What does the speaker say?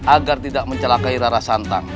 agar tidak mencelakai rara santang